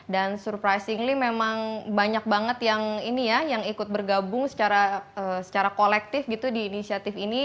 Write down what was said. dan surprisingly memang banyak banget yang ini ya yang ikut bergabung secara kolektif gitu di inisiatif ini